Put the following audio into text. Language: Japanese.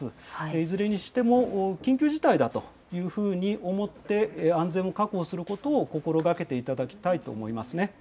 いずれにしても緊急事態だというふうに思って、安全を確保することを心がけていただきたいと思いますね。